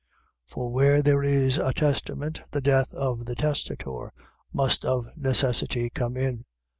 9:16. For where there is a testament the death of the testator must of necessity come in.